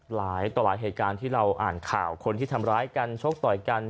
หลายต่อหลายเหตุการณ์ที่เราอ่านข่าวคนที่ทำร้ายกันชกต่อยกัน